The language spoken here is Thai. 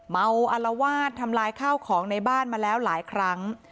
อารวาสทำลายข้าวของในบ้านมาแล้วหลายครั้ง